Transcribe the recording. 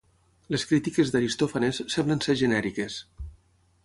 Les crítiques d'Aristòfanes semblen ser genèriques.